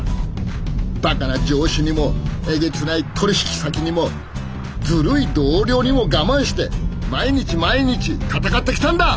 バカな上司にもえげつない取引先にもズルい同僚にも我慢して毎日毎日闘ってきたんだ！